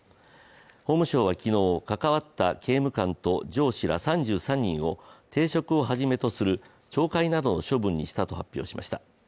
法務省は昨日、関わった刑務官と上司ら３３人を停職をはじめとする懲戒などの処分にしたと発表しました。